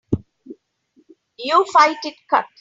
You fight it cut.